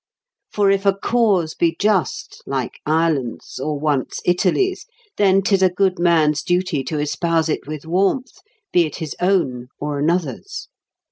For if a cause be just, like Ireland's, or once Italy's, then 'tis a good man's duty to espouse it with warmth, be it his own or another's.